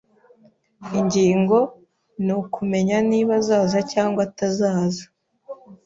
Ingingo ni ukumenya niba azaza cyangwa atazaza.